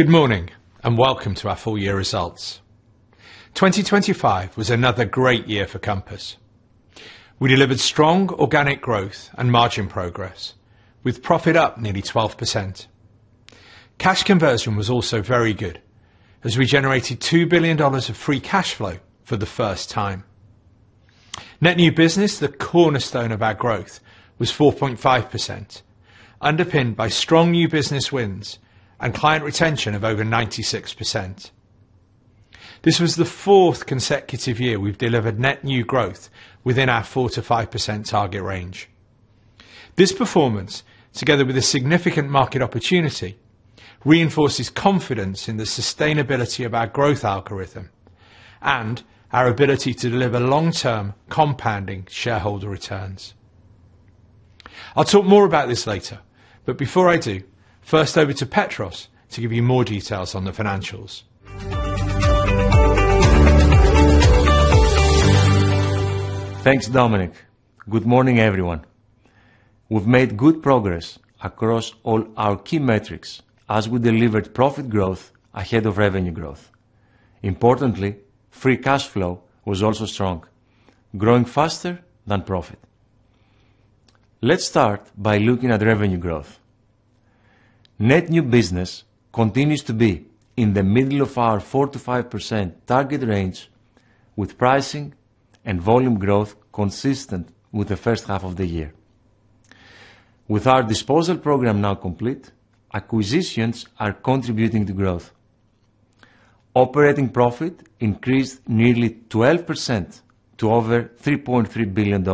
Good morning, and welcome to our full-year results. 2025 was another great year for Compass. We delivered strong organic growth and margin progress, with profit up nearly 12%. Cash conversion was also very good, as we generated $2 billion of free cash flow for the first time. Net new business, the cornerstone of our growth, was 4.5%, underpinned by strong new business wins and client retention of over 96%. This was the fourth consecutive year we've delivered net new growth within our 4-5% target range. This performance, together with a significant market opportunity, reinforces confidence in the sustainability of our growth algorithm and our ability to deliver long-term compounding shareholder returns. I'll talk more about this later, but before I do, first over to Petros to give you more details on the financials. Thanks, Dominic. Good morning, everyone. We've made good progress across all our key metrics as we delivered profit growth ahead of revenue growth. Importantly, free cash flow was also strong, growing faster than profit. Let's start by looking at revenue growth. Net new business continues to be in the middle of our 4-5% target range, with pricing and volume growth consistent with the first half of the year. With our disposal program now complete, acquisitions are contributing to growth. Operating profit increased nearly 12% to over $3.3 billion.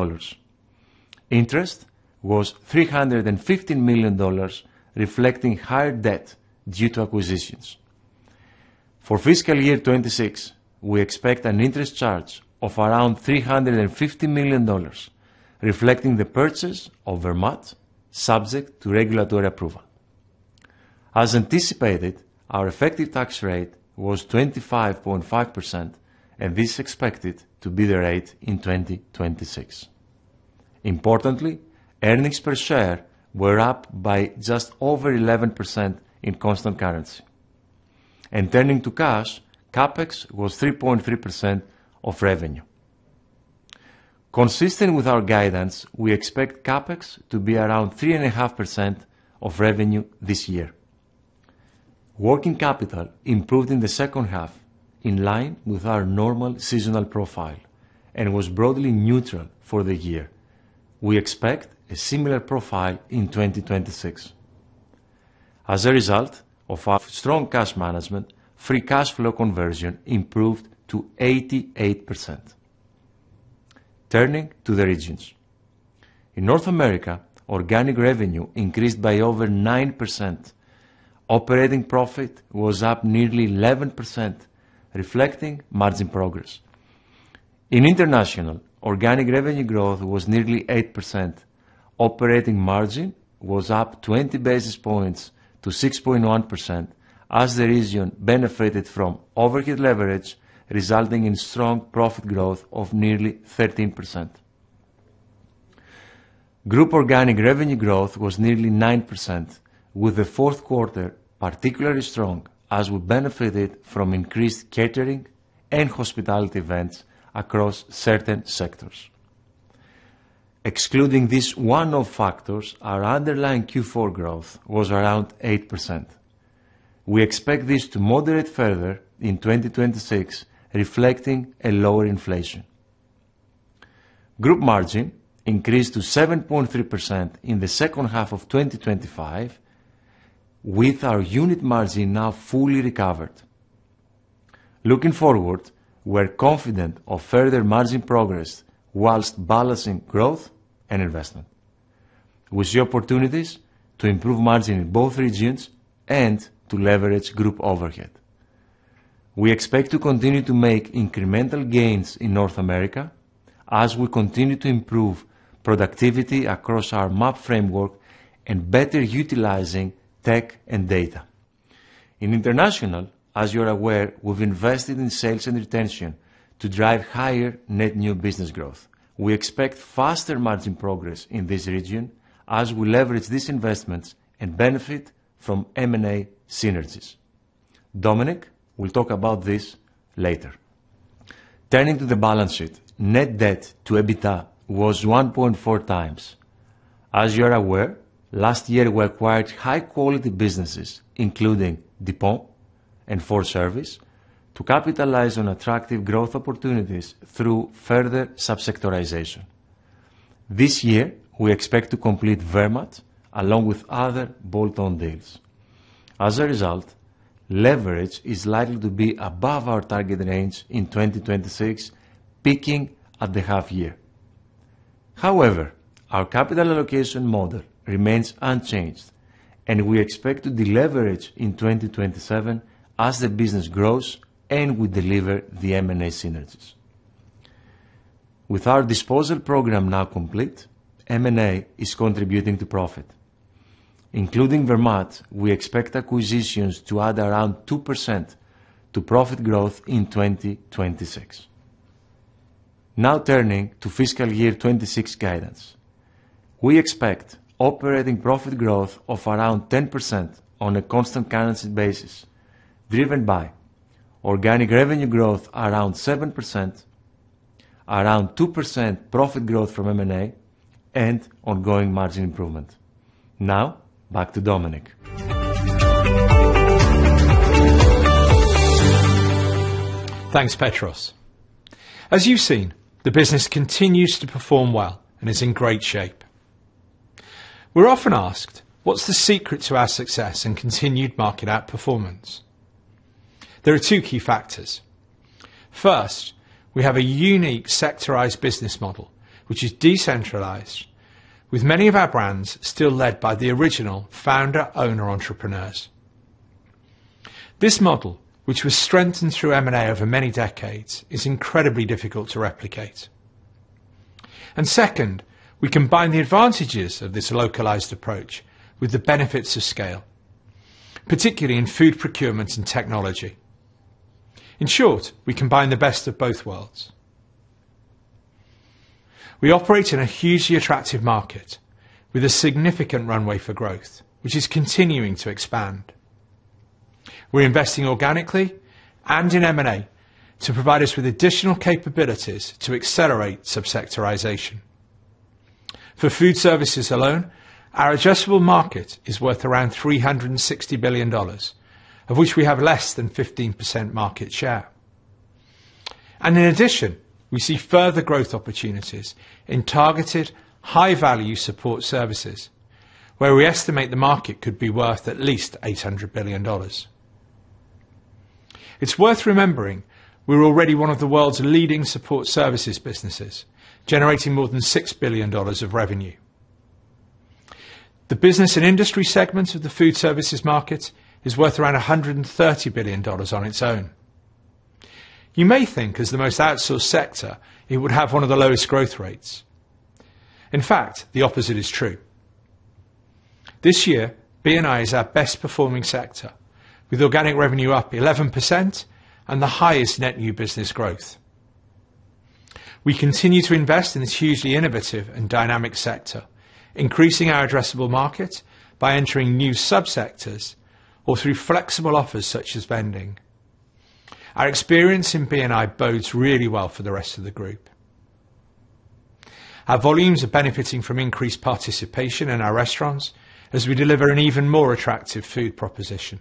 Interest was $315 million, reflecting higher debt due to acquisitions. For fiscal year 2026, we expect an interest charge of around $350 million, reflecting the purchase of Vermaat, subject to regulatory approval. As anticipated, our effective tax rate was 25.5%, and this is expected to be the rate in 2026. Importantly, earnings per share were up by just over 11% in constant currency. Turning to cash, CapEx was 3.3% of revenue. Consistent with our guidance, we expect CapEx to be around 3.5% of revenue this year. Working capital improved in the second half, in line with our normal seasonal profile, and was broadly neutral for the year. We expect a similar profile in 2026. As a result of our strong cash management, free cash flow conversion improved to 88%. Turning to the regions. In North America, organic revenue increased by over 9%. Operating profit was up nearly 11%, reflecting margin progress. In international, organic revenue growth was nearly 8%. Operating margin was up 20 basis points to 6.1%, as the region benefited from overhead leverage, resulting in strong profit growth of nearly 13%. Group organic revenue growth was nearly 9%, with the fourth quarter particularly strong, as we benefited from increased catering and hospitality events across certain sectors. Excluding these one-off factors, our underlying Q4 growth was around 8%. We expect this to moderate further in 2026, reflecting a lower inflation. Group margin increased to 7.3% in the second half of 2025, with our unit margin now fully recovered. Looking forward, we're confident of further margin progress whilst balancing growth and investment. We see opportunities to improve margin in both regions and to leverage group overhead. We expect to continue to make incremental gains in North America as we continue to improve productivity across our MAP Framework and better utilizing tech and data. In international, as you're aware, we've invested in sales and retention to drive higher net new business growth. We expect faster margin progress in this region as we leverage these investments and benefit from M&A synergies. Dominic, we'll talk about this later. Turning to the balance sheet, net debt to EBITDA was 1.4 times. As you're aware, last year we acquired high-quality businesses, including DuPont and Ford Service, to capitalize on attractive growth opportunities through further Subsectorization. This year, we expect to complete Vermaat along with other bolt-on deals. As a result, leverage is likely to be above our target range in 2026, peaking at the half-year. However, our capital allocation model remains unchanged, and we expect to deleverage in 2027 as the business grows and we deliver the M&A synergies. With our disposal program now complete, M&A is contributing to profit. Including Vermaat, we expect acquisitions to add around 2% to profit growth in 2026. Now turning to fiscal year 2026 guidance, we expect operating profit growth of around 10% on a constant currency basis, driven by organic revenue growth around 7%, around 2% profit growth from M&A, and ongoing margin improvement. Now, back to Dominic. Thanks, Petros. As you've seen, the business continues to perform well and is in great shape. We're often asked, what's the secret to our success and continued market outperformance? There are two key factors. First, we have a unique sectorized business model, which is decentralized, with many of our brands still led by the original founder-owner entrepreneurs. This model, which was strengthened through M&A over many decades, is incredibly difficult to replicate. Second, we combine the advantages of this localized approach with the benefits of scale, particularly in food procurement and technology. In short, we combine the best of both worlds. We operate in a hugely attractive market with a significant runway for growth, which is continuing to expand. We're investing organically and in M&A to provide us with additional capabilities to accelerate Subsectorization. For food services alone, our addressable market is worth around $360 billion, of which we have less than 15% market share. In addition, we see further growth opportunities in targeted high-value support services, where we estimate the market could be worth at least $800 billion. It's worth remembering we're already one of the world's leading support services businesses, generating more than $6 billion of revenue. The business and industry segments of the food services market are worth around $130 billion on its own. You may think, as the most outsourced sector, it would have one of the lowest growth rates. In fact, the opposite is true. This year, BNI is our best-performing sector, with organic revenue up 11% and the highest net new business growth. We continue to invest in this hugely innovative and dynamic sector, increasing our addressable market by entering new subsectors or through flexible offers such as vending. Our experience in BNI bodes really well for the rest of the group. Our volumes are benefiting from increased participation in our restaurants as we deliver an even more attractive food proposition.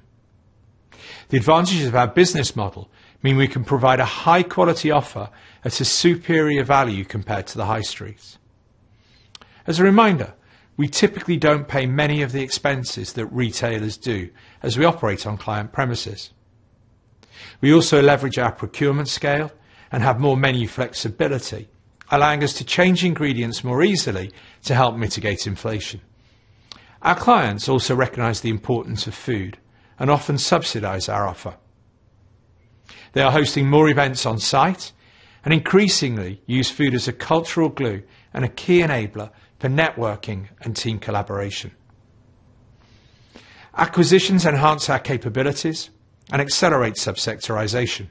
The advantages of our business model mean we can provide a high-quality offer at a superior value compared to the high streets. As a reminder, we typically do not pay many of the expenses that retailers do as we operate on client premises. We also leverage our procurement scale and have more menu flexibility, allowing us to change ingredients more easily to help mitigate inflation. Our clients also recognize the importance of food and often subsidize our offer. They are hosting more events on site and increasingly use food as a cultural glue and a key enabler for networking and team collaboration. Acquisitions enhance our capabilities and accelerate subsectorization.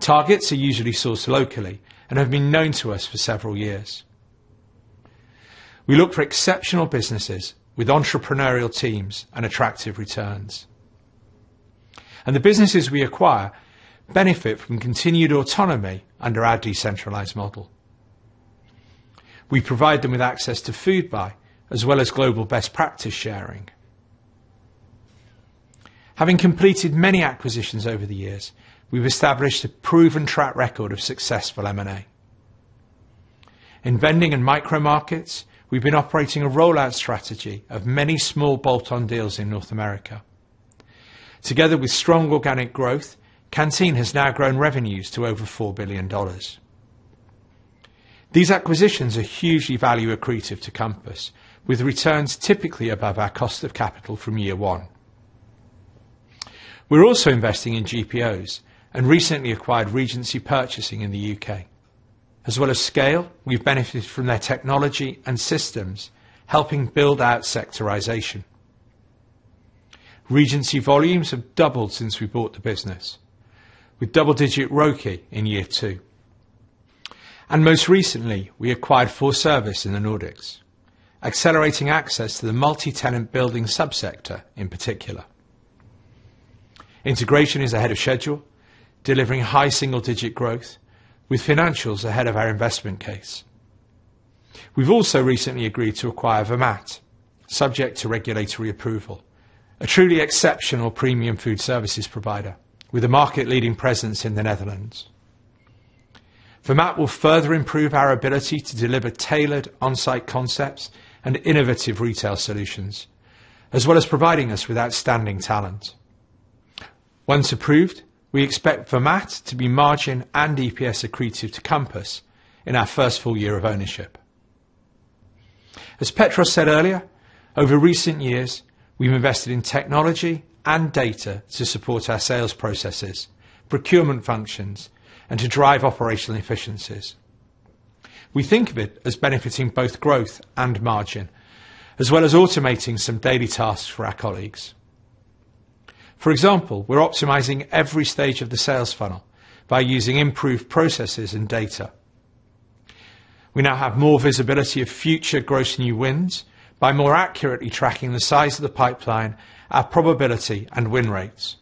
Targets are usually sourced locally and have been known to us for several years. We look for exceptional businesses with entrepreneurial teams and attractive returns. The businesses we acquire benefit from continued autonomy under our decentralized model. We provide them with access to Foodbuy as well as global best practice sharing. Having completed many acquisitions over the years, we've established a proven track record of success for M&A. In vending and micro-markets, we've been operating a rollout strategy of many small bolt-on deals in North America. Together with strong organic growth, Kanteen has now grown revenues to over $4 billion. These acquisitions are hugely value-accretive to Compass, with returns typically above our cost of capital from year one. We're also investing in GPOs and recently acquired Regency Purchasing in the U.K. As well as scale, we've benefited from their technology and systems, helping build out sectorization. Regency volumes have doubled since we bought the business, with double-digit ROKI in year two. Most recently, we acquired Ford Service in the Nordics, accelerating access to the multi-tenant building subsector in particular. Integration is ahead of schedule, delivering high single-digit growth, with financials ahead of our investment case. We've also recently agreed to acquire Vermaat, subject to regulatory approval, a truly exceptional premium food services provider with a market-leading presence in the Netherlands. Vermaat will further improve our ability to deliver tailored on-site concepts and innovative retail solutions, as well as providing us with outstanding talent. Once approved, we expect Vermaat to be margin and EPS-accretive to Compass in our first full year of ownership. As Petros said earlier, over recent years, we've invested in technology and data to support our sales processes, procurement functions, and to drive operational efficiencies. We think of it as benefiting both growth and margin, as well as automating some daily tasks for our colleagues. For example, we're optimizing every stage of the sales funnel by using improved processes and data. We now have more visibility of future gross new wins by more accurately tracking the size of the pipeline, our probability, and win rates.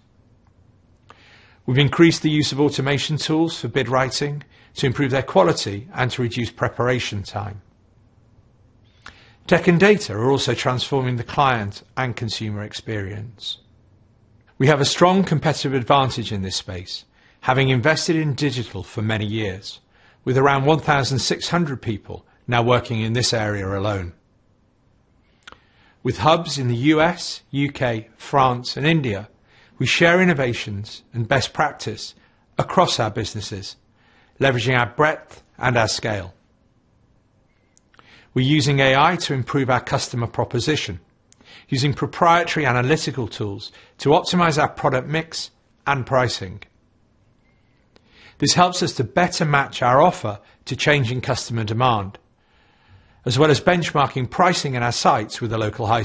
We've increased the use of automation tools for bid writing to improve their quality and to reduce preparation time. Tech and data are also transforming the client and consumer experience. We have a strong competitive advantage in this space, having invested in digital for many years, with around 1,600 people now working in this area alone. With hubs in the U.S., U.K., France, and India, we share innovations and best practice across our businesses, leveraging our breadth and our scale. We're using AI to improve our customer proposition, using proprietary analytical tools to optimize our product mix and pricing. This helps us to better match our offer to changing customer demand, as well as benchmarking pricing in our sites with the local high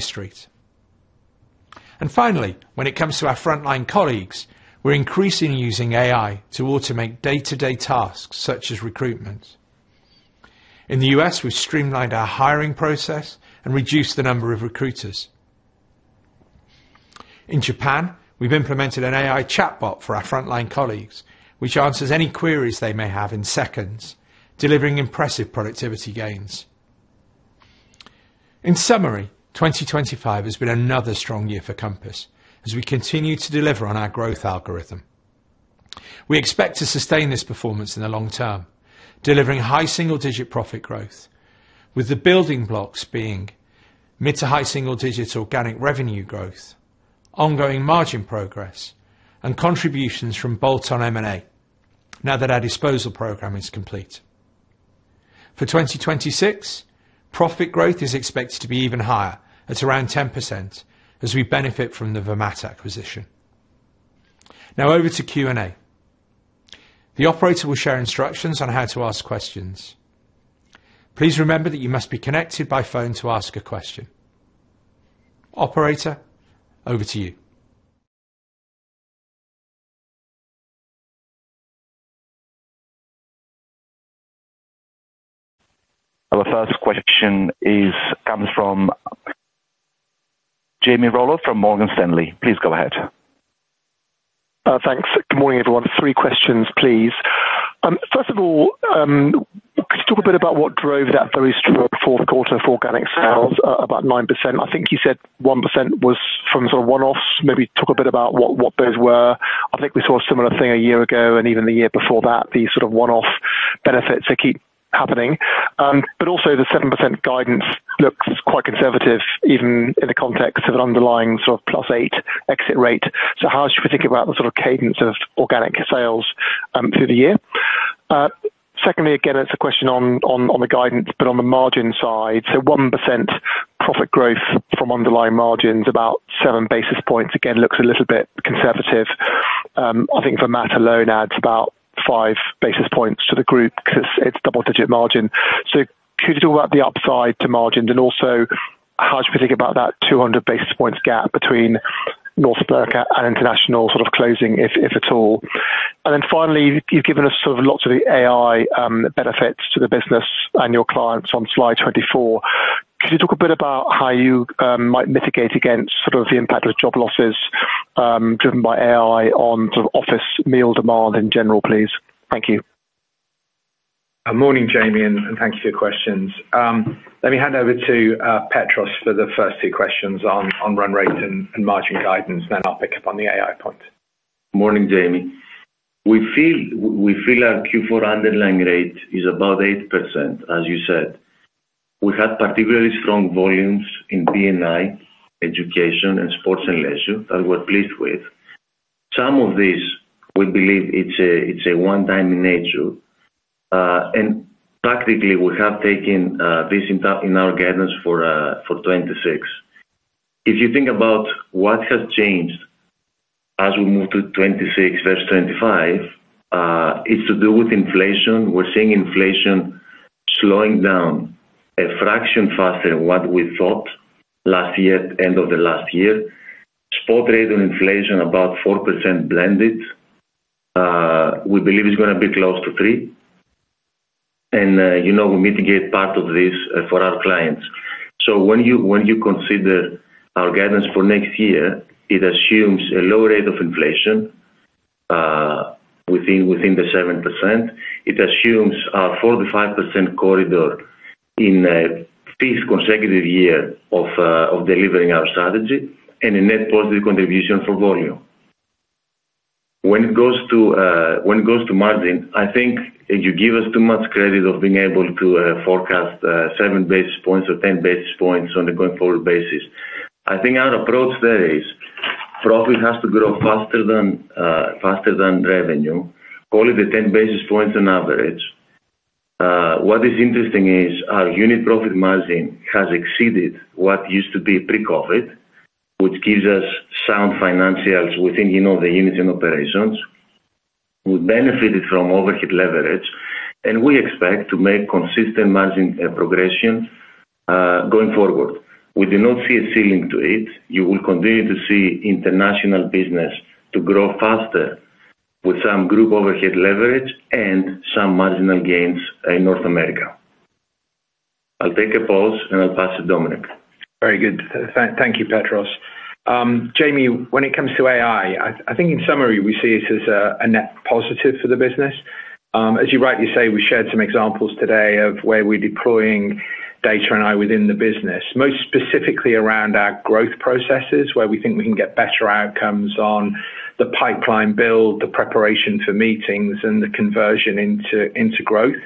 streets. Finally, when it comes to our frontline colleagues, we're increasingly using AI to automate day-to-day tasks such as recruitment. In the U.S., we've streamlined our hiring process and reduced the number of recruiters. In Japan, we've implemented an AI chatbot for our frontline colleagues, which answers any queries they may have in seconds, delivering impressive productivity gains. In summary, 2025 has been another strong year for Compass as we continue to deliver on our growth algorithm. We expect to sustain this performance in the long term, delivering high single-digit profit growth, with the building blocks being mid to high single-digit organic revenue growth, ongoing margin progress, and contributions from bolt-on M&A now that our disposal program is complete. For 2026, profit growth is expected to be even higher at around 10% as we benefit from the Vermaat acquisition. Now over to Q&A. The operator will share instructions on how to ask questions. Please remember that you must be connected by phone to ask a question. Operator, over to you. Our first question comes from Jamie Rollo from Morgan Stanley. Please go ahead. Thanks. Good morning, everyone. Three questions, please. First of all, could you talk a bit about what drove that very strong fourth quarter for organic sales? About 9%. I think you said 1% was from sort of one-offs. Maybe talk a bit about what those were. I think we saw a similar thing a year ago and even the year before that, the sort of one-off benefits that keep happening. Also, the 7% guidance looks quite conservative, even in the context of an underlying sort of plus 8 exit rate. How should we think about the sort of cadence of organic sales through the year? Secondly, again, it is a question on the guidance, but on the margin side. 1% profit growth from underlying margins, about 7 basis points. Again, looks a little bit conservative. I think Vermaat alone adds about 5 basis points to the group because it's double-digit margin. Could you talk about the upside to margins? Also, how should we think about that 200 basis points gap between North America and international sort of closing, if at all? Finally, you've given us sort of lots of AI benefits to the business and your clients on slide 24. Could you talk a bit about how you might mitigate against sort of the impact of job losses driven by AI on sort of office meal demand in general, please? Thank you. Morning, Jamie, and thank you for your questions. Let me hand over to Petros for the first two questions on run rate and margin guidance, and then I'll pick up on the AI point. Morning, Jamie. We feel our Q4 underlying rate is about 8%, as you said. We had particularly strong volumes in BNI, education, and sports and leisure that we're pleased with. Some of these, we believe it's a one-time in nature. Practically, we have taken this in our guidance for 2026. If you think about what has changed as we move to 2026 versus 2025, it's to do with inflation. We're seeing inflation slowing down a fraction faster than what we thought last year, end of the last year. Spot rate on inflation, about 4% blended. We believe it's going to be close to 3%. We mitigate part of this for our clients. When you consider our guidance for next year, it assumes a low rate of inflation within the 7%. It assumes our 4-5% corridor in a fifth consecutive year of delivering our strategy and a net positive contribution for volume. When it goes to margin, I think you give us too much credit of being able to forecast 7 basis points or 10 basis points on a going forward basis. I think our approach there is profit has to grow faster than revenue. Call it the 10 basis points on average. What is interesting is our unit profit margin has exceeded what used to be pre-COVID, which gives us sound financials within the units and operations. We benefited from overhead leverage, and we expect to make consistent margin progression going forward. We do not see a ceiling to it. You will continue to see international business to grow faster with some group overhead leverage and some marginal gains in North America. I'll take a pause, and I'll pass it to Dominic. Very good. Thank you, Petros. Jamie, when it comes to AI, I think in summary, we see it as a net positive for the business. As you rightly say, we shared some examples today of where we're deploying data and AI within the business, most specifically around our growth processes, where we think we can get better outcomes on the pipeline build, the preparation for meetings, and the conversion into growth.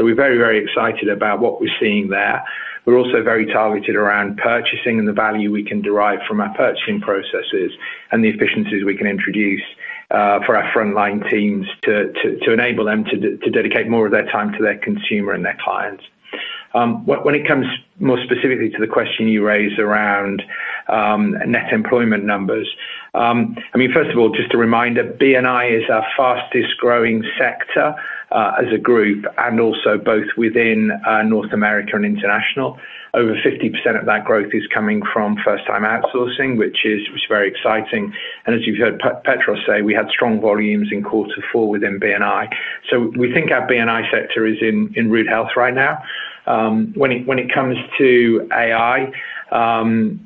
We are very, very excited about what we're seeing there. We are also very targeted around purchasing and the value we can derive from our purchasing processes and the efficiencies we can introduce for our frontline teams to enable them to dedicate more of their time to their consumer and their clients. When it comes more specifically to the question you raised around net employment numbers, I mean, first of all, just a reminder, BNI is our fastest-growing sector as a group and also both within North America and international. Over 50% of that growth is coming from first-time outsourcing, which is very exciting. As you have heard Petros say, we had strong volumes in quarter four within BNI. We think our BNI sector is in rude health right now. When it comes to AI,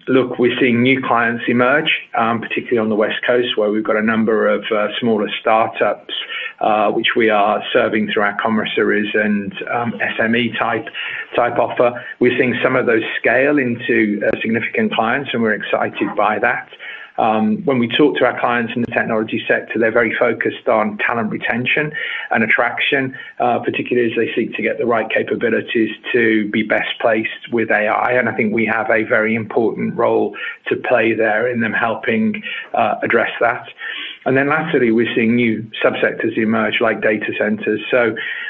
look, we are seeing new clients emerge, particularly on the West Coast, where we have got a number of smaller startups, which we are serving through our Commerce Series and SME-type offer. We are seeing some of those scale into significant clients, and we are excited by that. When we talk to our clients in the technology sector, they're very focused on talent retention and attraction, particularly as they seek to get the right capabilities to be best placed with AI. I think we have a very important role to play there in them helping address that. Lastly, we're seeing new subsectors emerge like data centers.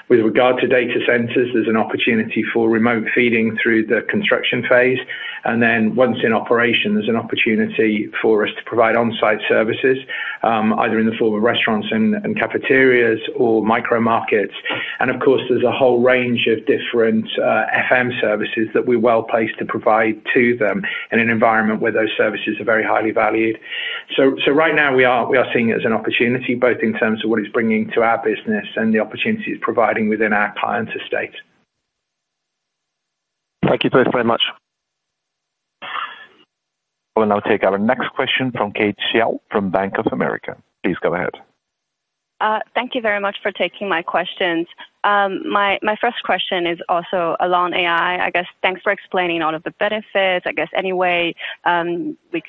With regard to data centers, there's an opportunity for remote feeding through the construction phase. Once in operation, there's an opportunity for us to provide on-site services, either in the form of restaurants and cafeterias or micro-markets. Of course, there's a whole range of different FM services that we're well placed to provide to them in an environment where those services are very highly valued. Right now, we are seeing it as an opportunity, both in terms of what it's bringing to our business and the opportunities it's providing within our client estate. Thank you both very much. I'll take our next question from Kate Xiao from Bank of America. Please go ahead. Thank you very much for taking my questions. My first question is also along AI. I guess thanks for explaining all of the benefits. I guess any way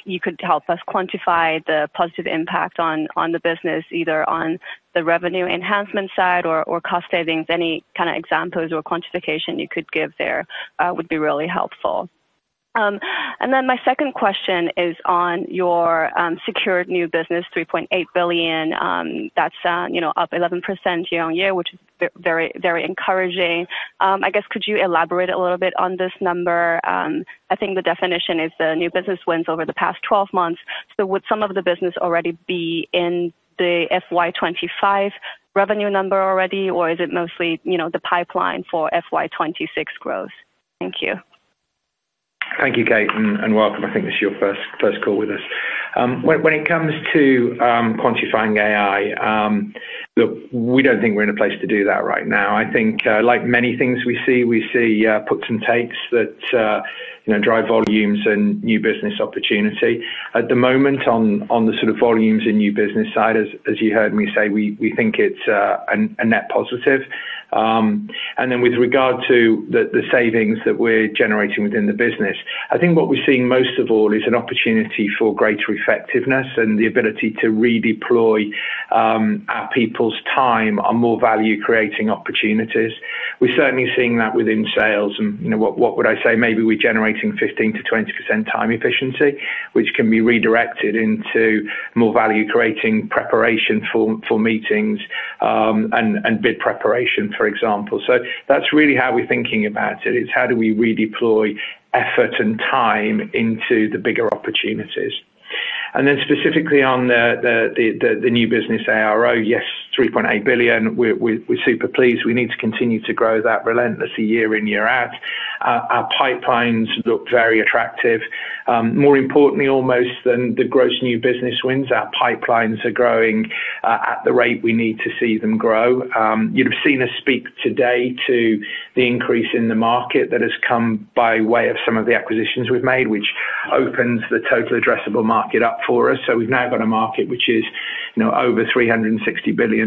you could help us quantify the positive impact on the business, either on the revenue enhancement side or cost savings, any kind of examples or quantification you could give there would be really helpful. My second question is on your secured new business, $3.8 billion. That's up 11% Year-on-Year, which is very encouraging. I guess could you elaborate a little bit on this number? I think the definition is the new business wins over the past 12 months. Would some of the business already be in the FY 2025 revenue number already, or is it mostly the pipeline for FY 2026 growth? Thank you. Thank you, Kate, and welcome. I think this is your first call with us. When it comes to quantifying AI, look, we do not think we are in a place to do that right now. I think like many things we see, we see puts and takes that drive volumes and new business opportunity. At the moment, on the sort of volumes and new business side, as you heard me say, we think it is a net positive. With regard to the savings that we are generating within the business, I think what we are seeing most of all is an opportunity for greater effectiveness and the ability to redeploy our people's time on more value-creating opportunities. We are certainly seeing that within sales. What would I say? Maybe we are generating 15%-20% time efficiency, which can be redirected into more value-creating preparation for meetings and bid preparation, for example. That's really how we're thinking about it. It's how do we redeploy effort and time into the bigger opportunities? Specifically on the new business ARO, yes, $3.8 billion. We're super pleased. We need to continue to grow that relentlessly year in, year out. Our pipelines look very attractive. More importantly, almost than the gross new business wins, our pipelines are growing at the rate we need to see them grow. You'd have seen us speak today to the increase in the market that has come by way of some of the acquisitions we've made, which opens the total addressable market up for us. We've now got a market which is over $360 billion.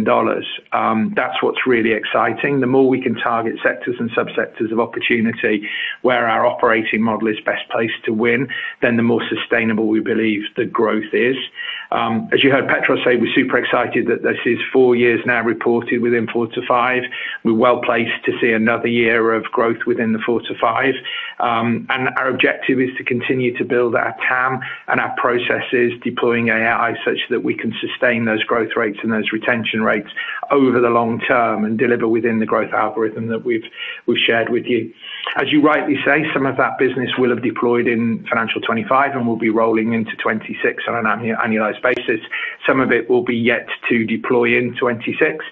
That's what's really exciting. The more we can target sectors and subsectors of opportunity where our operating model is best placed to win, the more sustainable we believe the growth is. As you heard Petros say, we're super excited that this is four years now reported within four to five. We're well placed to see another year of growth within the four to five. Our objective is to continue to build our TAM and our processes, deploying AI such that we can sustain those growth rates and those retention rates over the long term and deliver within the growth algorithm that we've shared with you. As you rightly say, some of that business will have deployed in financial 2025 and will be rolling into 2026 on an annualized basis. Some of it will be yet to deploy in 2026.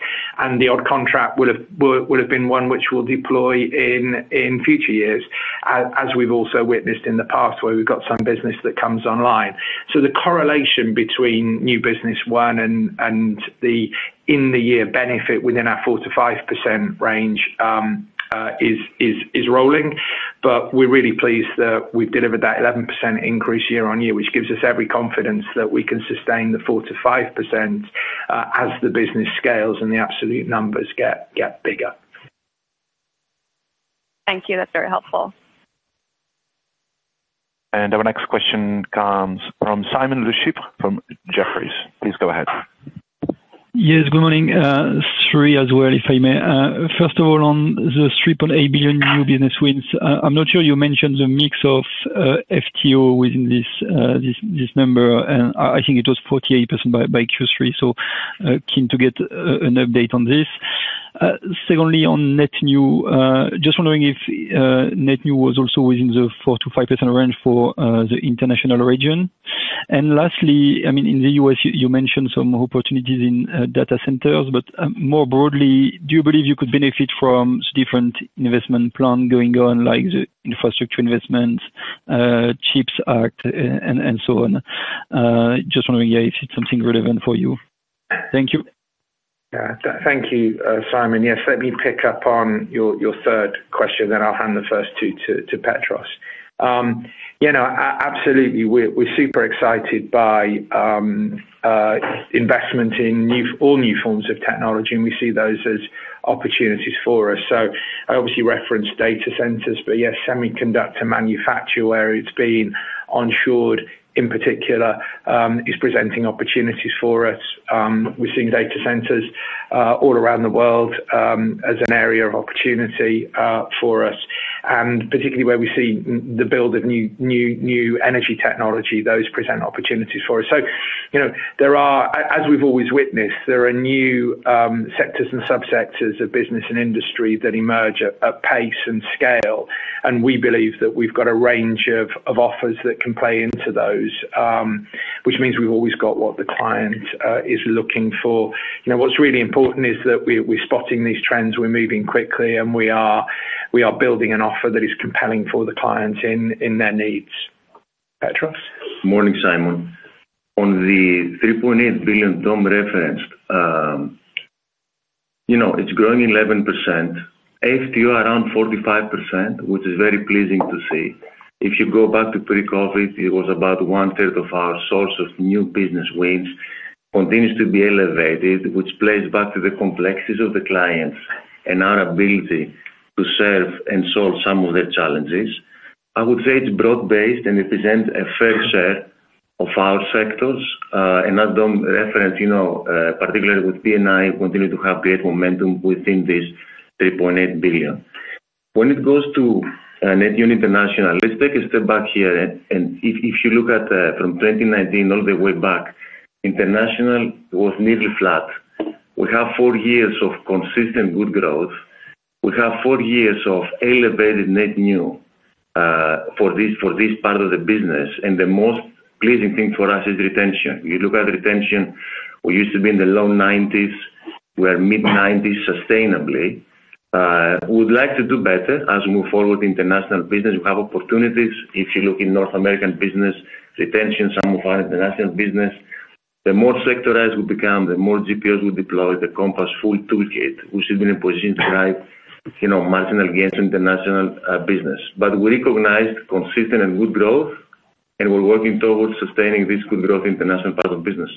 The odd contract will have been one which will deploy in future years, as we've also witnessed in the past where we've got some business that comes online. The correlation between new business won and the in-the-year benefit within our 4-5% range is rolling. We are really pleased that we have delivered that 11% increase Year-on-Year, which gives us every confidence that we can sustain the 4-5% as the business scales and the absolute numbers get bigger. Thank you. That's very helpful. Our next question comes from Simon Rechif from Jefferies. Please go ahead. Yes, good morning. Sorry as well, if I may. First of all, on the $3.8 billion new business wins, I'm not sure you mentioned the mix of FTO within this number, and I think it was 48% by Q3. So keen to get an update on this. Secondly, on net new, just wondering if net new was also within the 4-5% range for the international region. And lastly, I mean, in the US, you mentioned some opportunities in data centers, but more broadly, do you believe you could benefit from different investment plans going on, like the infrastructure investments, CHIPS Act, and so on? Just wondering if it's something relevant for you. Thank you. Thank you, Simon. Yes, let me pick up on your third question, then I'll hand the first two to Petros. Yeah, no, absolutely. We're super excited by investment in all new forms of technology, and we see those as opportunities for us. I obviously referenced data centers, but yes, semiconductor manufacturing where it's been onshored in particular is presenting opportunities for us. We're seeing data centers all around the world as an area of opportunity for us, and particularly where we see the build of new energy technology, those present opportunities for us. As we've always witnessed, there are new sectors and subsectors of business and industry that emerge at pace and scale, and we believe that we've got a range of offers that can play into those, which means we've always got what the client is looking for. What's really important is that we're spotting these trends, we're moving quickly, and we are building an offer that is compelling for the clients in their needs. Petros? Morning, Simon. On the $3.8 billion DOM referenced, it's growing 11%. FTO around 45%, which is very pleasing to see. If you go back to pre-COVID, it was about one-third of our source of new business wins continues to be elevated, which plays back to the complexities of the clients and our ability to serve and solve some of their challenges. I would say it's broad-based and it presents a fair share of our sectors. As DOM referenced, particularly with BNI, we continue to have great momentum within this $3.8 billion. When it goes to net new international, let's take a step back here. If you look at from 2019 all the way back, international was nearly flat. We have four years of consistent good growth. We have four years of elevated net new for this part of the business. The most pleasing thing for us is retention. You look at retention, we used to be in the low 90s. We are mid-90s sustainably. We'd like to do better as we move forward in international business. We have opportunities. If you look in North American business, retention, some of our international business, the more sectorized we become, the more GPOs we deploy, the Compass full toolkit, which has been in position to drive marginal gains in international business. We recognized consistent and good growth, and we're working towards sustaining this good growth in international part of business.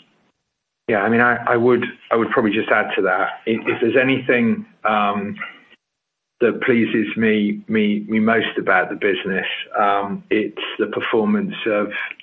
Yeah, I mean, I would probably just add to that. If there's anything that pleases me most about the business, it's the performance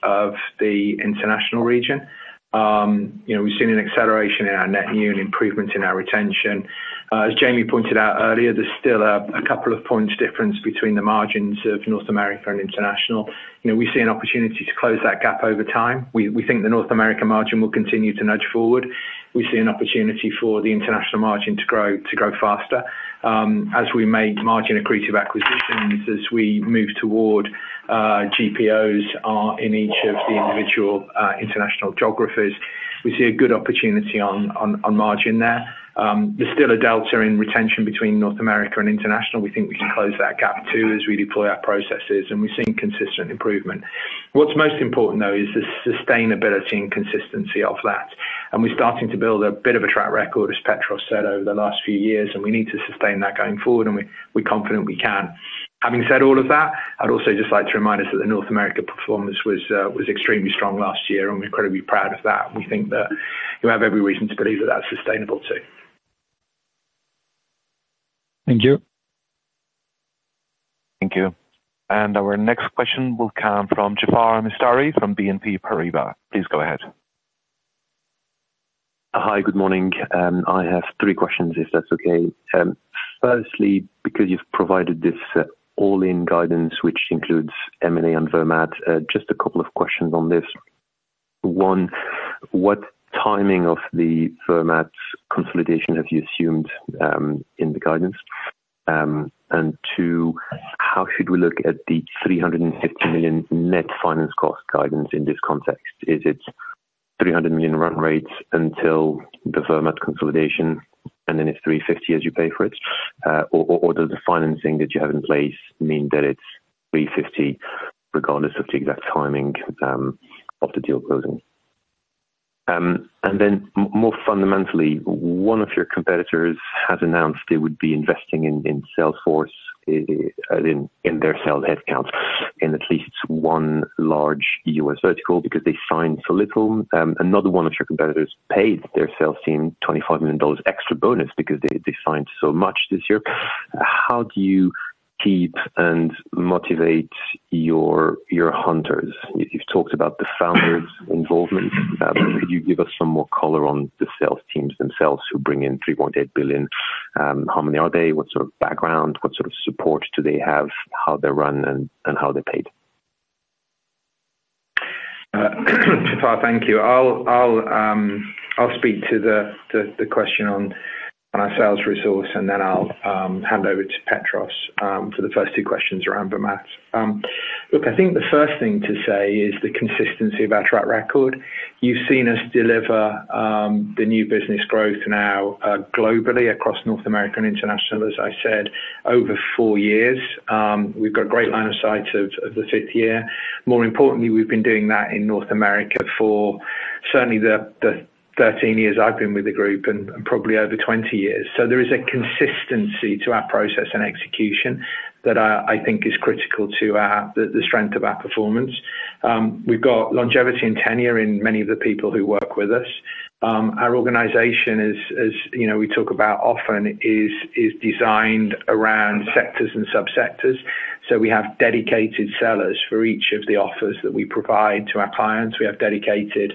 of the international region. We've seen an acceleration in our net new and improvements in our retention. As Jamie pointed out earlier, there's still a couple of points difference between the margins of North America and international. We see an opportunity to close that gap over time. We think the North America margin will continue to nudge forward. We see an opportunity for the international margin to grow faster as we make margin accretive acquisitions as we move toward GPOs in each of the individual international geographies. We see a good opportunity on margin there. There's still a delta in retention between North America and international. We think we can close that gap too as we deploy our processes, and we've seen consistent improvement. What's most important, though, is the sustainability and consistency of that. We're starting to build a bit of a track record, as Petros said, over the last few years, and we need to sustain that going forward, and we're confident we can. Having said all of that, I'd also just like to remind us that the North America performance was extremely strong last year, and we're incredibly proud of that. We think that you have every reason to believe that that's sustainable too. Thank you. Thank you. Our next question will come from Jafar Mustari from BNP Paribas. Please go ahead. Hi, good morning. I have three questions, if that's okay. Firstly, because you've provided this all-in guidance, which includes M&A and Vermaat, just a couple of questions on this. One, what timing of the Vermaat consolidation have you assumed in the guidance? Two, how should we look at the $350 million net finance cost guidance in this context? Is it $300 million run rates until the Vermaat consolidation, and then it's $350 million as you pay for it? Or does the financing that you have in place mean that it's $350 million regardless of the exact timing of the deal closing? More fundamentally, one of your competitors has announced they would be investing in Salesforce in their sales headcount in at least one large US vertical because they signed so little. Another one of your competitors paid their sales team $25 million extra bonus because they signed so much this year. How do you keep and motivate your hunters? You've talked about the founders' involvement. Could you give us some more color on the sales teams themselves who bring in $3.8 billion? How many are they? What sort of background? What sort of support do they have? How they're run and how they're paid? Jafar, thank you. I'll speak to the question on our sales resource, and then I'll hand over to Petros for the first two questions around Vermaat. Look, I think the first thing to say is the consistency of our track record. You've seen us deliver the new business growth now globally across North America and International, as I said, over four years. We've got a great line of sight of the fifth year. More importantly, we've been doing that in North America for certainly the 13 years I've been with the group and probably over 20 years. There is a consistency to our process and execution that I think is critical to the strength of our performance. We've got longevity and tenure in many of the people who work with us. Our organization, as we talk about often, is designed around sectors and subsectors. We have dedicated sellers for each of the offers that we provide to our clients. We have dedicated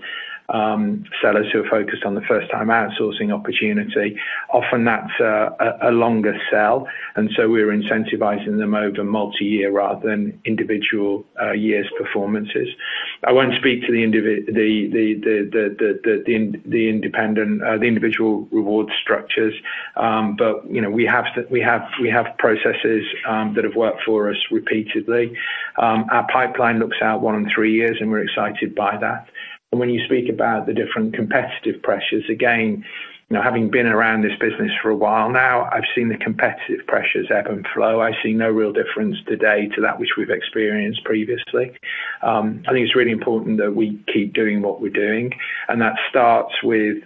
sellers who are focused on the first-time outsourcing opportunity. Often, that's a longer sell. We are incentivizing them over multi-year rather than individual years' performances. I won't speak to the individual reward structures, but we have processes that have worked for us repeatedly. Our pipeline looks out one and three years, and we're excited by that. When you speak about the different competitive pressures, again, having been around this business for a while now, I've seen the competitive pressures and flow. I see no real difference today to that which we've experienced previously. I think it's really important that we keep doing what we're doing. That starts with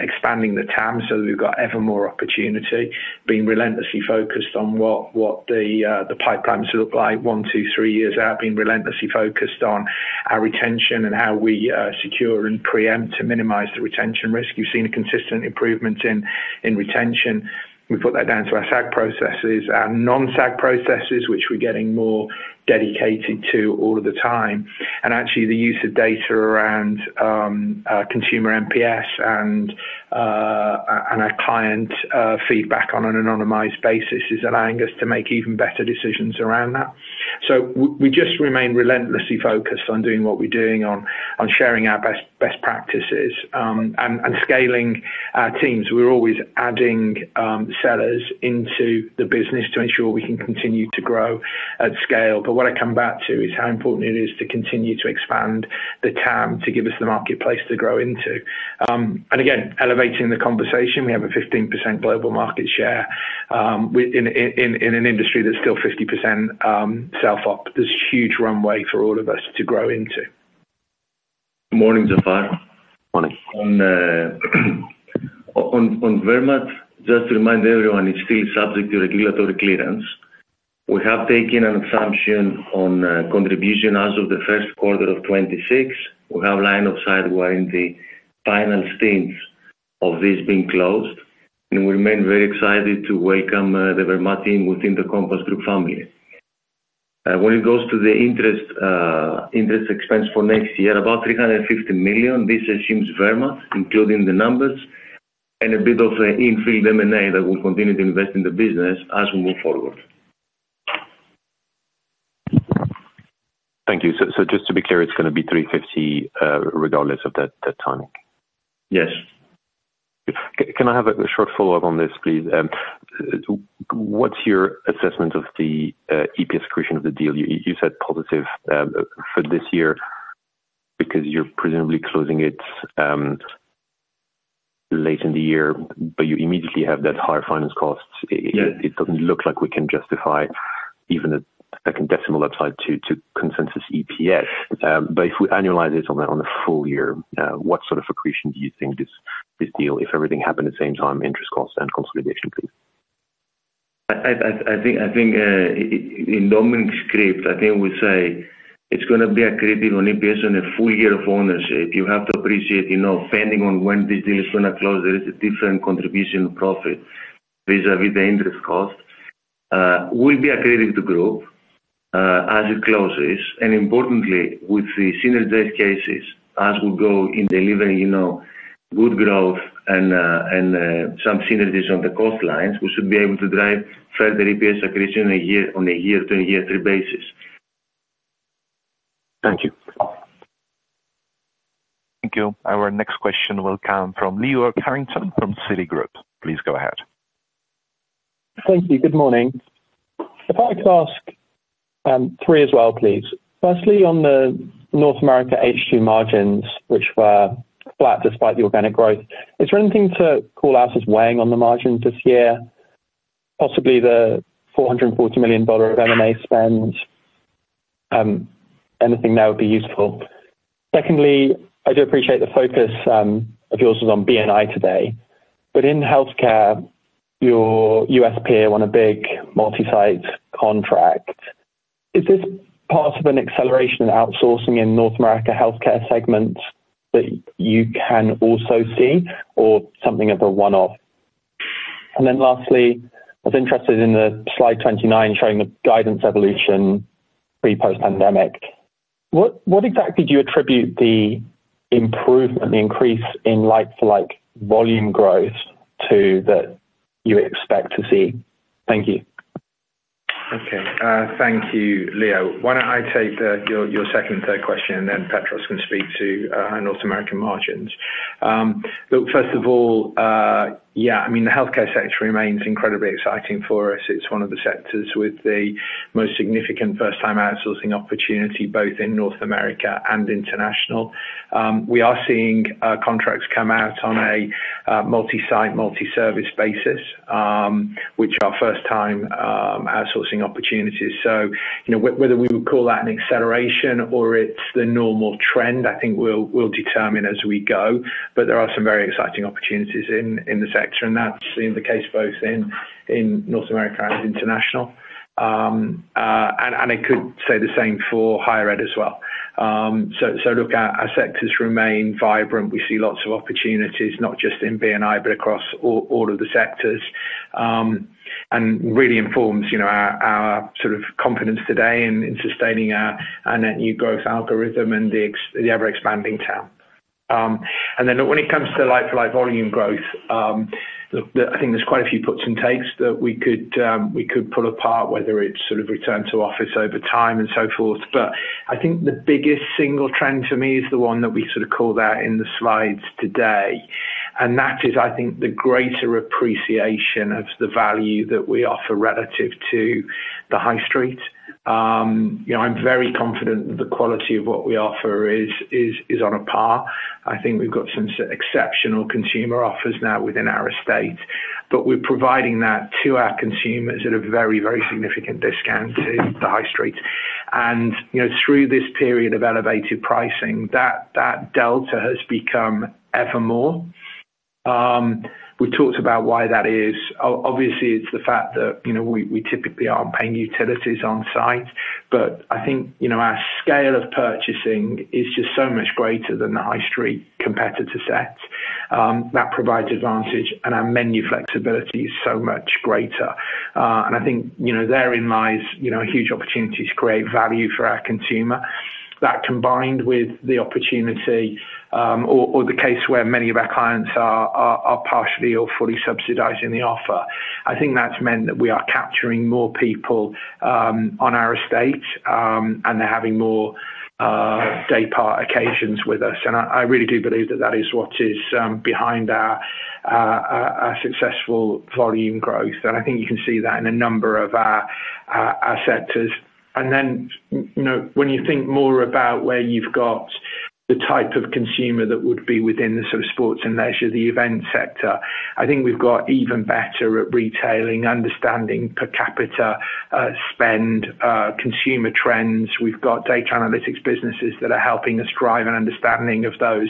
expanding the TAM so that we've got ever more opportunity, being relentlessly focused on what the pipelines look like one, two, three years out, being relentlessly focused on our retention and how we secure and preempt to minimize the retention risk. You've seen a consistent improvement in retention. We've put that down to our SAG processes, our non-SAG processes, which we're getting more dedicated to all of the time. Actually, the use of data around consumer MPS and our client feedback on an anonymized basis is allowing us to make even better decisions around that. We just remain relentlessly focused on doing what we're doing, on sharing our best practices and scaling our teams. We're always adding sellers into the business to ensure we can continue to grow at scale. What I come back to is how important it is to continue to expand the TAM to give us the marketplace to grow into. Again, elevating the conversation. We have a 15% global market share in an industry that is still 50% self-op. There is a huge runway for all of us to grow into. Morning, Jafar. Morning. On Vermaat, just to remind everyone, it is still subject to regulatory clearance. We have taken an assumption on contribution as of the first quarter of 2026. We have line of sight while in the final stage of this being closed. We remain very excited to welcome the Vermaat team within the Compass Group family. When it goes to the interest expense for next year, about $350 million, this assumes Vermaat included in the numbers, and a bit of infill M&A that will continue to invest in the business as we move forward. Thank you. Just to be clear, it's going to be 350 regardless of that timing? Yes. Can I have a short follow-up on this, please? What's your assessment of the EPS accretion of the deal? You said positive for this year because you're presumably closing it late in the year, but you immediately have that higher finance cost. It doesn't look like we can justify even a second decimal upside to consensus EPS. If we annualize it on a full year, what sort of accretion do you think this deal, if everything happened at the same time, interest costs and consolidation, please? I think in Dominic's script, I think we say it's going to be accretive only based on a full year of ownership. You have to appreciate depending on when this deal is going to close, there is a different contribution profit vis-à-vis the interest cost. It will be accretive to group as it closes. Importantly, with the synergized cases, as we go in delivering good growth and some synergies on the cost lines, we should be able to drive further EPS accretion on a year-to-year basis. Thank you. Thank you. Our next question will come from Leo Harrington from Citi Group. Please go ahead. Thank you. Good morning. If I could ask three as well, please. Firstly, on the North America HQ margins, which were flat despite the organic growth, is there anything to call out as weighing on the margins this year? Possibly the $440 million of M&A spend, anything there would be useful. Secondly, I do appreciate the focus of yours on BNI today. In healthcare, your US peer won a big multi-site contract. Is this part of an acceleration in outsourcing in North America healthcare segments that you can also see or something of a one-off? Lastly, I was interested in the slide 29 showing the guidance evolution pre-post-pandemic. What exactly do you attribute the improvement, the increase in like-for-like volume growth to that you expect to see? Thank you. Okay. Thank you, Leo. Why do not I take your second and third question, and then Petros can speak to North American margins. Look, first of all, yeah, I mean, the healthcare sector remains incredibly exciting for us. It is one of the sectors with the most significant first-time outsourcing opportunity, both in North America and international. We are seeing contracts come out on a multi-site, multi-service basis, which are first-time outsourcing opportunities. Whether we would call that an acceleration or it is the normal trend, I think we will determine as we go. There are some very exciting opportunities in the sector, and that is in the case both in North America and international. I could say the same for higher as well. Look, our sectors remain vibrant. We see lots of opportunities, not just in BNI, but across all of the sectors. It really informs our sort of confidence today in sustaining our net new growth algorithm and the ever-expanding TAM. When it comes to like-for-like volume growth, look, I think there are quite a few puts and takes that we could pull apart, whether it is sort of return to office over time and so forth. I think the biggest single trend for me is the one that we sort of call out in the slides today. That is, I think, the greater appreciation of the value that we offer relative to the high street. I am very confident that the quality of what we offer is on a par. I think we have got some exceptional consumer offers now within our estate. We are providing that to our consumers at a very, very significant discount to the high street. Through this period of elevated pricing, that delta has become ever more. We talked about why that is. Obviously, it's the fact that we typically aren't paying utilities on site. I think our scale of purchasing is just so much greater than the high street competitor sets. That provides advantage, and our menu flexibility is so much greater. I think therein lies huge opportunities to create value for our consumer. That combined with the opportunity, or the case where many of our clients are partially or fully subsidizing the offer, I think that's meant that we are capturing more people on our estate, and they're having more daypart occasions with us. I really do believe that that is what is behind our successful volume growth. I think you can see that in a number of our sectors. When you think more about where you've got the type of consumer that would be within the sort of sports and leisure, the event sector, I think we've got even better at retailing, understanding Per Capita spend, consumer trends. We've got data analytics businesses that are helping us drive an understanding of those.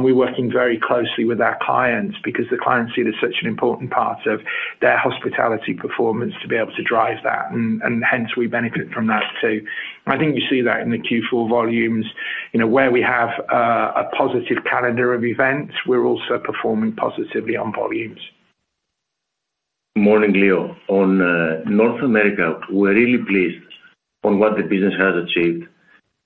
We're working very closely with our clients because the clients see it as such an important part of their hospitality performance to be able to drive that. Hence, we benefit from that too. I think you see that in the Q4 volumes. Where we have a positive calendar of events, we're also performing positively on volumes. Morning, Leo. On North America, we're really pleased on what the business has achieved.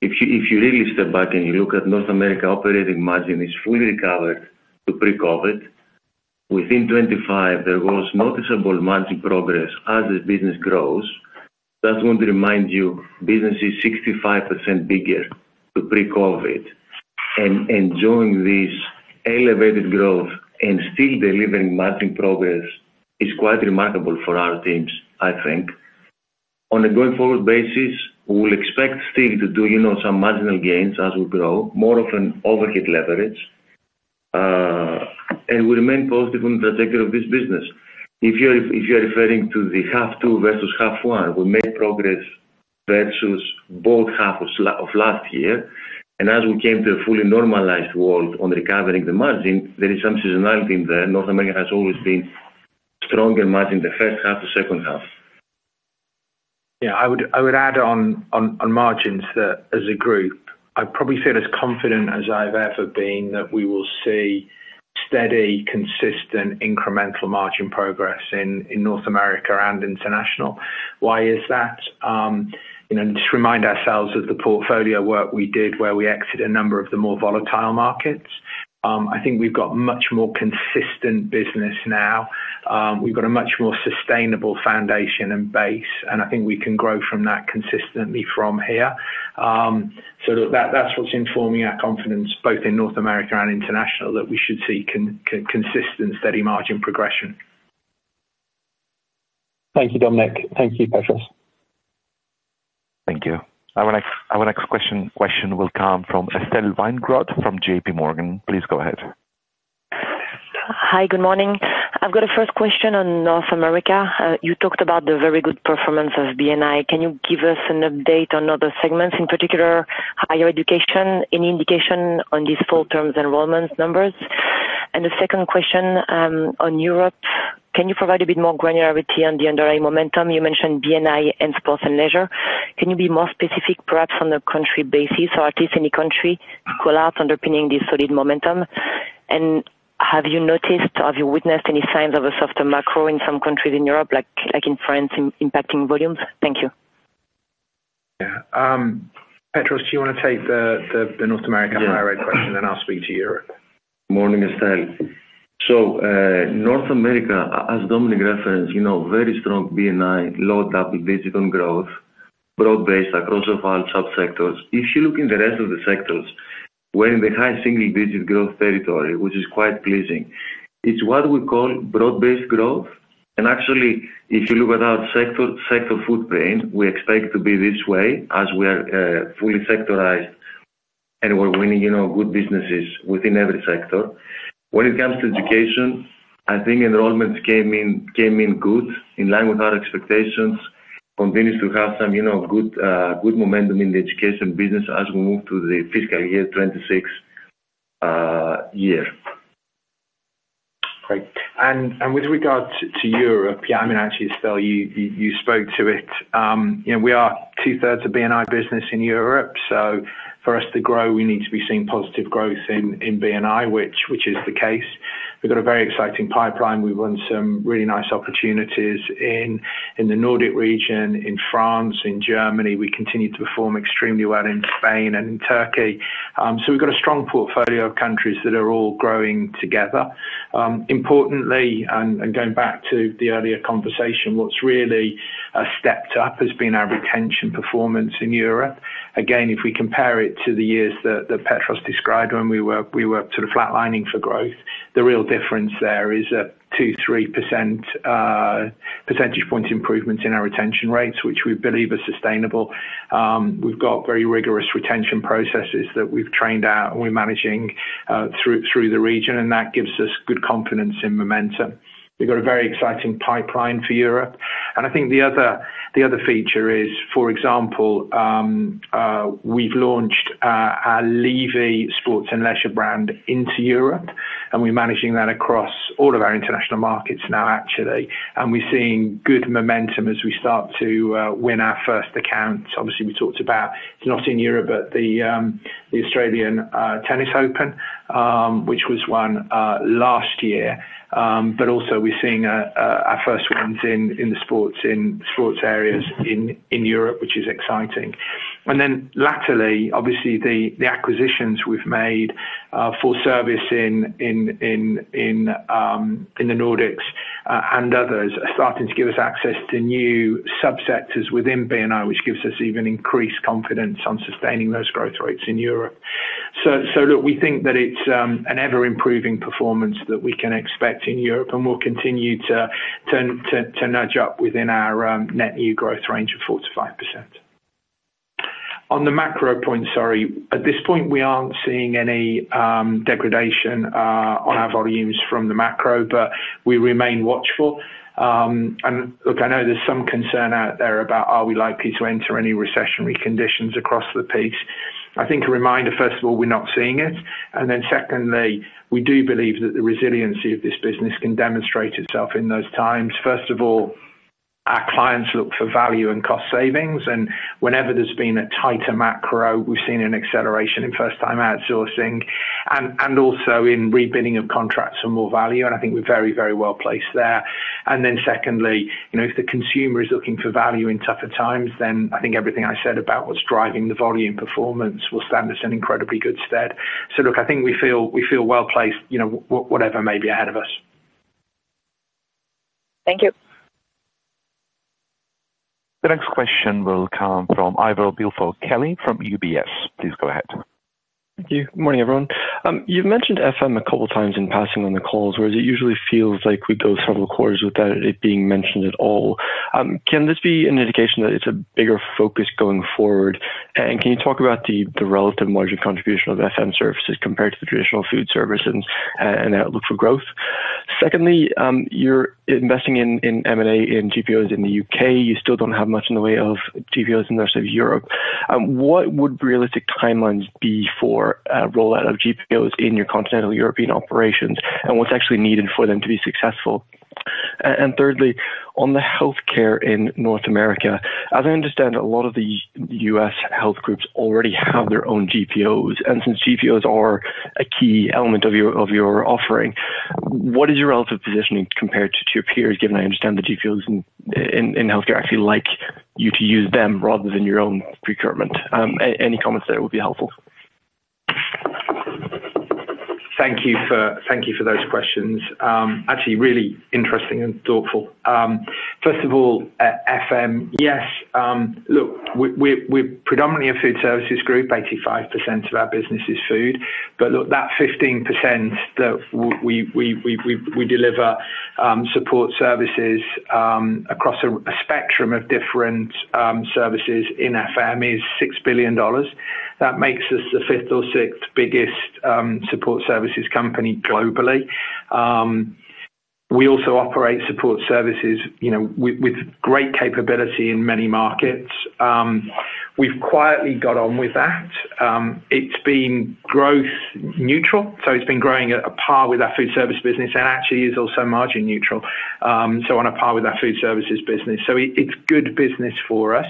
If you really step back and you look at North America operating margin, it's fully recovered to pre-COVID. Within 2025, there was noticeable margin progress as the business grows. Just want to remind you, business is 65% bigger to pre-COVID. And enjoying this elevated growth and still delivering margin progress is quite remarkable for our teams, I think. On a going forward basis, we'll expect still to do some marginal gains as we grow, more of an overhead leverage. We remain positive on the trajectory of this business. If you're referring to the half two versus half one, we made progress versus both half of last year. As we came to a fully normalized world on recovering the margin, there is some seasonality in there. North America has always been stronger margin the first half, the second half. Yeah. I would add on margins that as a group, I probably feel as confident as I've ever been that we will see steady, consistent incremental margin progress in North America and international. Why is that? Just remind ourselves of the portfolio work we did where we exited a number of the more volatile markets. I think we've got much more consistent business now. We've got a much more sustainable foundation and base. I think we can grow from that consistently from here. That is what is informing our confidence, both in North America and international, that we should see consistent, steady margin progression. Thank you, Dominic. Thank you, Petros. Thank you. Our next question will come from Estelle Weingrod from JPMorgan. Please go ahead. Hi, good morning. I've got a first question on North America. You talked about the very good performance of BNI. Can you give us an update on other segments, in particular higher education, any indication on these full-term enrollment numbers? The second question on Europe, can you provide a bit more granularity on the underlying momentum? You mentioned BNI and sports and leisure. Can you be more specific, perhaps on a country basis, or at least any country collapse underpinning this solid momentum? Have you noticed, have you witnessed any signs of a softer macro in some countries in Europe, like in France, impacting volumes? Thank you. Yeah. Petros, do you want to take the North America higher ed question, then I'll speak to Europe? Morning, Estelle. North America, as Dominic referenced, very strong BNI, low double-digit on growth, broad-based across all sub-sectors. If you look in the rest of the sectors, we're in the high single-digit growth territory, which is quite pleasing. It's what we call broad-based growth. Actually, if you look at our sector footprint, we expect to be this way as we are fully sectorized and we're winning good businesses within every sector. When it comes to education, I think enrollments came in good, in line with our expectations, continues to have some good momentum in the education business as we move to the fiscal year 2026 year. Great. With regard to Europe, yeah, I mean, actually, Estelle, you spoke to it. We are two-thirds of BNI business in Europe. For us to grow, we need to be seeing positive growth in BNI, which is the case. We've got a very exciting pipeline. We've won some really nice opportunities in the Nordic region, in France, in Germany. We continue to perform extremely well in Spain and in Turkey. We've got a strong portfolio of countries that are all growing together. Importantly, and going back to the earlier conversation, what's really stepped up has been our retention performance in Europe. Again, if we compare it to the years that Petros described when we were sort of flatlining for growth, the real difference there is a 2-3 percentage point improvement in our retention rates, which we believe are sustainable. We've got very rigorous retention processes that we've trained out, and we're managing through the region, and that gives us good confidence in momentum. We've got a very exciting pipeline for Europe. I think the other feature is, for example, we've launched our Levy sports and leisure brand into Europe, and we're managing that across all of our international markets now, actually. We're seeing good momentum as we start to win our first accounts. Obviously, we talked about, it's not in Europe, but the Australian Tennis Open, which was won last year. We're also seeing our first wins in the sports areas in Europe, which is exciting. Laterally, obviously, the acquisitions we've made for Ford Service in the Nordics and others are starting to give us access to new sub-sectors within BNI, which gives us even increased confidence on sustaining those growth rates in Europe. Look, we think that it's an ever-improving performance that we can expect in Europe, and we'll continue to nudge up within our net new growth range of 4-5%. On the macro point, sorry, at this point, we aren't seeing any degradation on our volumes from the macro, but we remain watchful. I know there's some concern out there about, are we likely to enter any recessionary conditions across the piece? I think a reminder, first of all, we're not seeing it. Secondly, we do believe that the resiliency of this business can demonstrate itself in those times. First of all, our clients look for value and cost savings. Whenever there's been a tighter macro, we've seen an acceleration in first-time outsourcing and also in rebidding of contracts for more value. I think we're very, very well placed there. If the consumer is looking for value in tougher times, then I think everything I said about what's driving the volume performance will stand us in incredibly good stead. I think we feel well placed, whatever may be ahead of us. Thank you. The next question will come from Ivor Blinkford Kelly from UBS. Please go ahead. Thank you. Morning, everyone. You've mentioned FM a couple of times in passing on the calls, whereas it usually feels like we go several quarters without it being mentioned at all. Can this be an indication that it's a bigger focus going forward? Can you talk about the relative margin contribution of FM services compared to the traditional food services and outlook for growth? Secondly, you're investing in M&A and GPOs in the U.K. You still don't have much in the way of GPOs in the rest of Europe. What would realistic timelines be for a rollout of GPOs in your continental European operations, and what's actually needed for them to be successful? Thirdly, on the healthcare in North America, as I understand, a lot of the U.S. health groups already have their own GPOs. Since GPOs are a key element of your offering, what is your relative positioning compared to your peers, given I understand the GPOs in healthcare actually like you to use them rather than your own procurement? Any comments there would be helpful. Thank you for those questions. Actually, really interesting and thoughtful. First of all, FM, yes. Look, we're predominantly a food services group. 85% of our business is food. Look, that 15% that we deliver support services across a spectrum of different services in FM is $6 billion. That makes us the fifth or sixth biggest support services company globally. We also operate support services with great capability in many markets. We've quietly got on with that. It's been growth neutral. It has been growing at a par with our food service business and actually is also margin neutral. On a par with our food services business. It's good business for us.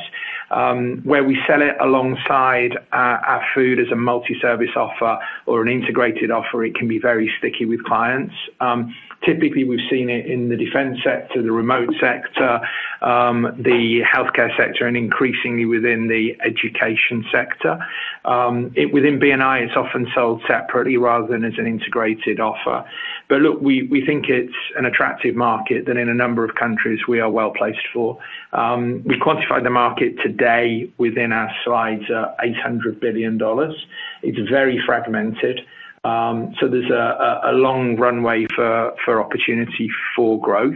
Where we sell it alongside our food as a multi-service offer or an integrated offer, it can be very sticky with clients. Typically, we've seen it in the defense sector, the remote sector, the healthcare sector, and increasingly within the education sector. Within BNI, it's often sold separately rather than as an integrated offer. Look, we think it's an attractive market that in a number of countries we are well placed for. We quantify the market today within our slides at $800 billion. It's very fragmented. There is a long runway for opportunity for growth.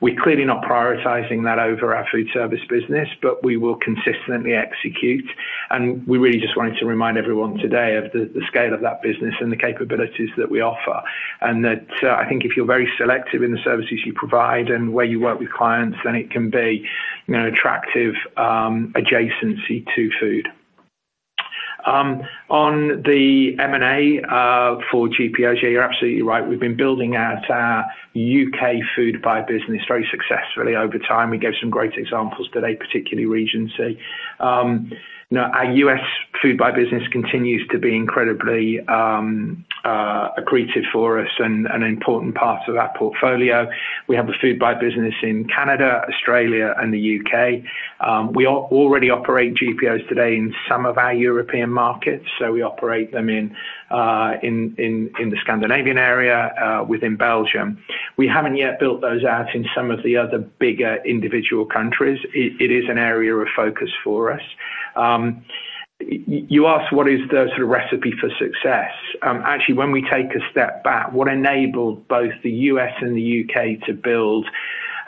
We're clearly not prioritizing that over our food service business, but we will consistently execute. We really just wanted to remind everyone today of the scale of that business and the capabilities that we offer. I think if you're very selective in the services you provide and where you work with clients, then it can be an attractive adjacency to food. On the M&A for GPOs, yeah, you're absolutely right. We've been building out our U.K. Foodbuy business very successfully over time. We gave some great examples today, particularly Regency. Our U.S. Foodbuy business continues to be incredibly accretive for us and an important part of our portfolio. We have a Foodbuy business in Canada, Australia, and the U.K. We already operate GPOs today in some of our European markets. We operate them in the Scandinavian area, within Belgium. We haven't yet built those out in some of the other bigger individual countries. It is an area of focus for us. You asked what is the sort of recipe for success. Actually, when we take a step back, what enabled both the U.S. and the U.K. to build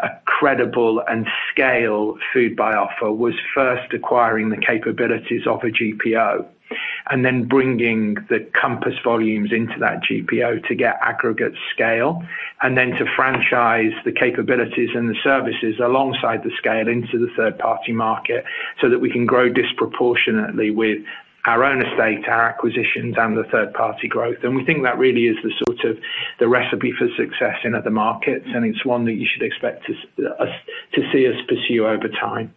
a credible and scale Foodbuy offer was first acquiring the capabilities of a GPO and then bringing the Compass volumes into that GPO to get aggregate scale and then to franchise the capabilities and the services alongside the scale into the third-party market so that we can grow disproportionately with our own estate, our acquisitions, and the third-party growth. We think that really is the sort of recipe for success in other markets, and it's one that you should expect to see us pursue over time.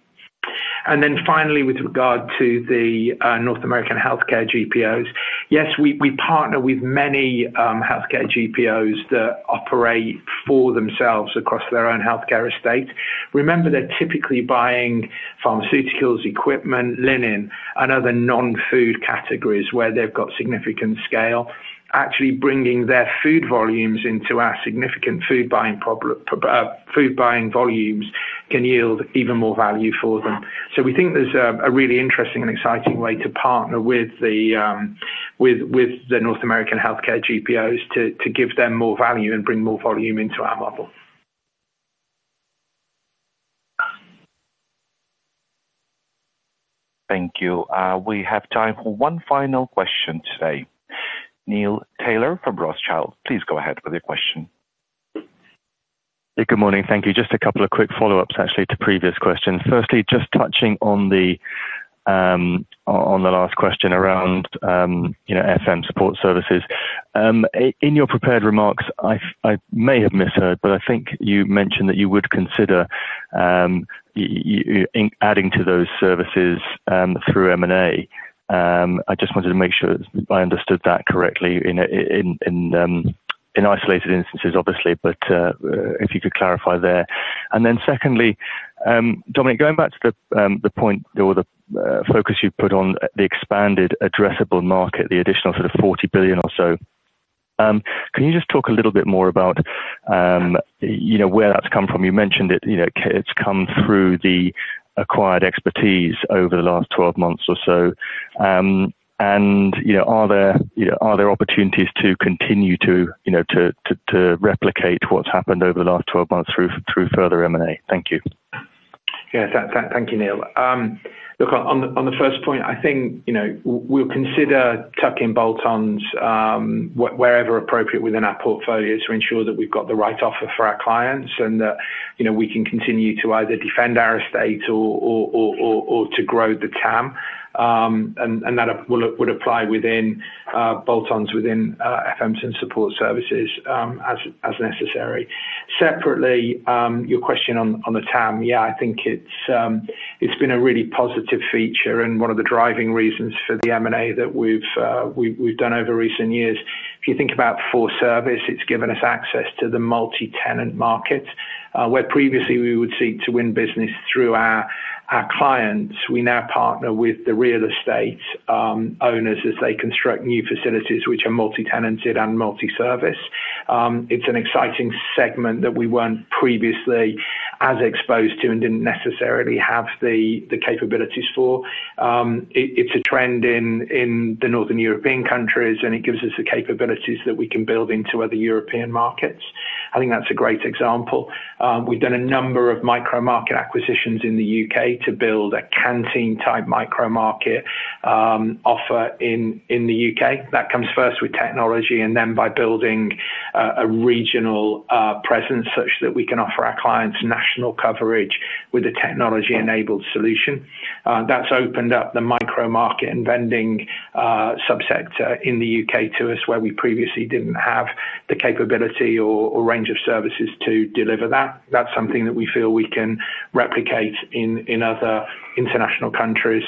Finally, with regard to the North American healthcare GPOs, yes, we partner with many healthcare GPOs that operate for themselves across their own healthcare estate. Remember, they're typically buying pharmaceuticals, equipment, linen, and other non-food categories where they've got significant scale. Actually, bringing their food volumes into our significant food buying volumes can yield even more value for them. We think there's a really interesting and exciting way to partner with the North American healthcare GPOs to give them more value and bring more volume into our model. Thank you. We have time for one final question today. Neil Taylor from Rothschild, please go ahead with your question. Good morning. Thank you. Just a couple of quick follow-ups, actually, to previous questions. Firstly, just touching on the last question around FM support services. In your prepared remarks, I may have misheard, but I think you mentioned that you would consider adding to those services through M&A. I just wanted to make sure I understood that correctly in isolated instances, obviously, but if you could clarify there. Secondly, Dominic, going back to the point or the focus you put on the expanded addressable market, the additional sort of $40 billion or so, can you just talk a little bit more about where that's come from? You mentioned it's come through the acquired expertise over the last 12 months or so. Are there opportunities to continue to replicate what's happened over the last 12 months through further M&A? Thank you. Yeah. Thank you, Neil. Look, on the first point, I think we'll consider tucking bolt-ons wherever appropriate within our portfolios to ensure that we've got the right offer for our clients and that we can continue to either defend our estate or to grow the TAM. That would apply within bolt-ons within FMs and support services as necessary. Separately, your question on the TAM, yeah, I think it's been a really positive feature and one of the driving reasons for the M&A that we've done over recent years. If you think about Ford Service, it's given us access to the multi-tenant market. Where previously we would seek to win business through our clients, we now partner with the real estate owners as they construct new facilities, which are multi-tenanted and multi-service. It's an exciting segment that we weren't previously as exposed to and didn't necessarily have the capabilities for. It's a trend in the northern European countries, and it gives us the capabilities that we can build into other European markets. I think that's a great example. We've done a number of micro-market acquisitions in the U.K. to build a canteen-type micro-market offer in the U.K. That comes first with technology and then by building a regional presence such that we can offer our clients national coverage with a technology-enabled solution. That's opened up the micro-market and vending sub-sector in the U.K. to us where we previously didn't have the capability or range of services to deliver that. That's something that we feel we can replicate in other international countries,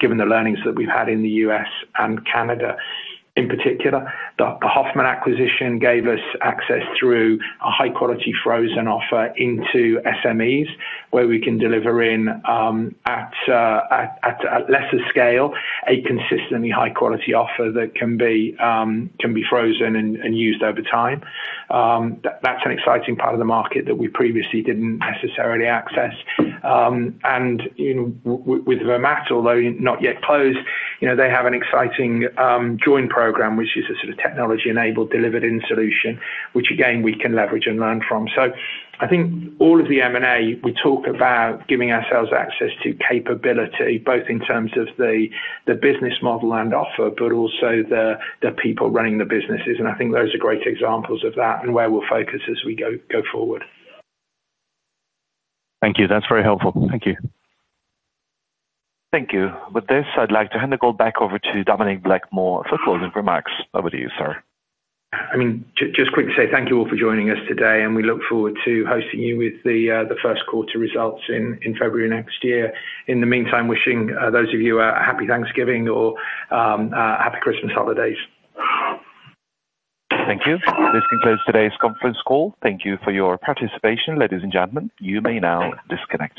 given the learnings that we've had in the U.S. and Canada in particular. The Hoffman acquisition gave us access through a high-quality frozen offer into SMEs where we can deliver in at lesser scale, a consistently high-quality offer that can be frozen and used over time. That is an exciting part of the market that we previously did not necessarily access. With Vermaat, although not yet closed, they have an exciting joint program, which is a sort of technology-enabled delivered-in solution, which again, we can leverage and learn from. I think all of the M&A, we talk about giving ourselves access to capability, both in terms of the business model and offer, but also the people running the businesses. I think those are great examples of that and where we will focus as we go forward. Thank you. That's very helpful. Thank you. Thank you. With this, I'd like to hand the call back over to Dominic Blakemore for closing remarks. Over to you, sir. I mean, just quick to say thank you all for joining us today, and we look forward to hosting you with the first quarter results in February next year. In the meantime, wishing those of you a happy Thanksgiving or happy Christmas holidays. Thank you. This concludes today's conference call. Thank you for your participation, ladies and gentlemen. You may now disconnect.